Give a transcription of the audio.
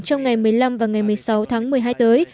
trong ngày một mươi năm và ngày một mươi sáu tháng một mươi hai tới